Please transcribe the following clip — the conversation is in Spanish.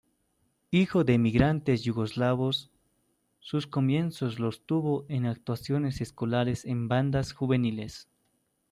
Hijo de emigrantes yugoslavos, sus comienzos los tuvo en actuaciones escolares en bandas juveniles.